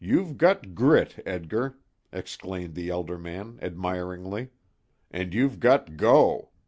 "You've good grit, Edgar," exclaimed the elder man, admiringly, "and you've got 'go'!